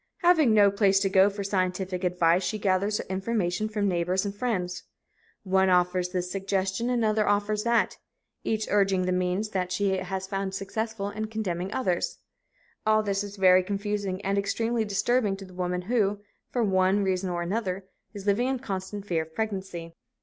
Having no place to go for scientific advice, she gathers her information from neighbors and friends. One offers this suggestion, another offers that, each urging the means that she has found successful and condemning others. All this is very confusing and extremely disturbing to the woman who, for one reason or another, is living in constant fear of pregnancy.